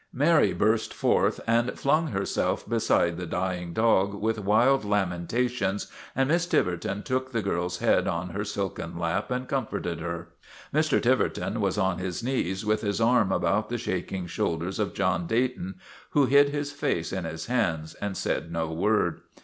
Mary burst forth and flung herself beside the dying dog with wild lamentations, and Miss Tiverton took the girl's head on her silken lap and comforted her. Mr. Tiverton was on his knees with his arm about the shaking shoulders of John Dayton, who hid his face in his hands and said no word.